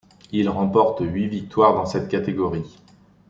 Il remporte huit victoires dans cette catégorie.